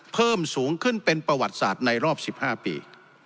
เพิ่มสูงขึ้นเป็นประวัติศาสตร์ในรอบ๑๕ปี